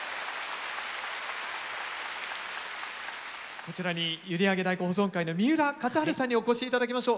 こちらに閖上太鼓保存会の三浦勝治さんにお越し頂きましょう。